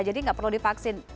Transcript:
jadi tidak perlu divaksin